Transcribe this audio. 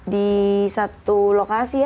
di satu lokasi ya